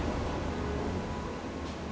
seandainya reina itu anak kamu